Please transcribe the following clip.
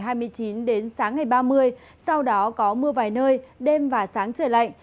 từ ngày hai mươi chín đến sáng ngày ba mươi sau đó có mưa vài nơi đêm và sáng trời lạnh